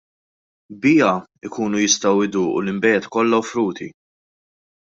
Biha jkunu jistgħu jduqu l-inbejjed kollha offruti.